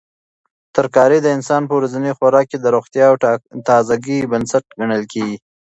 ترکاري د انسان په ورځني خوراک کې د روغتیا او تازګۍ بنسټ ګڼل کیږي.